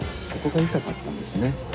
ここが痛かったんですね。